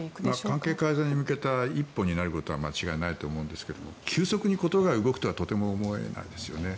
関係改善に向けた一歩になることは間違いないと思うんですけど急速に事が動くとはとても思えないですよね。